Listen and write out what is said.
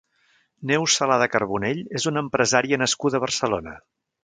Neus Salada Carbonell és una empresària nascuda a Barcelona.